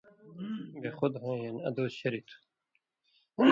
بے خُد ہُوئیں ہِن ادُوس شریۡ تھُو۔